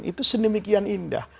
itu senemikian indah